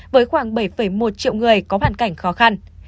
với khoảng bảy một triệu người có hoàn cảnh khó khăn